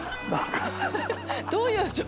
どういう状況で？